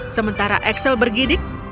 sementara axel bergidik